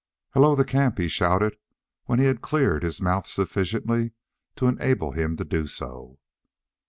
"Hallo, the camp!" he shouted when he had cleared his mouth sufficiently to enable him to do so.